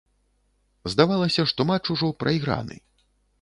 Здавалася, што матч ужо прайграны.